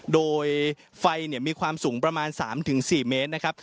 โดยไฟมีความสูงประมาณ๓๔เมตรนะครับ